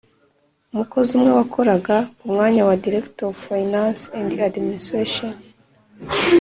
Umukozi umwe wakoraga ku mwanya wa Director of Finance and Administration